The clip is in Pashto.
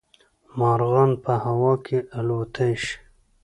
مارغان په هوا کې الوتلی شي